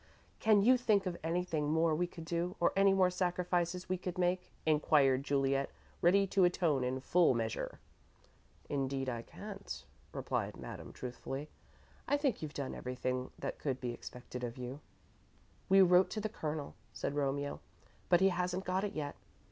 "Can you think of anything more we could do, or any more sacrifices we could make?" inquired Juliet, ready to atone in full measure. "Indeed I can't," Madame replied, truthfully. "I think you've done everything that could be expected of you." "We wrote to the Colonel," said Romeo, "but he hasn't got it yet.